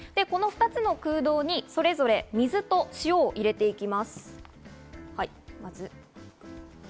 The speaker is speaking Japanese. ２つの空洞にそれぞれ、水と塩を入れていきます。